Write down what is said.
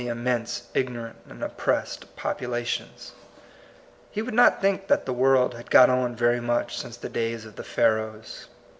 18 immense ignorant and oppressed popula tions, — he would not think that the world had got on very much since the days of the Pharaohs.